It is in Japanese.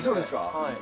はい。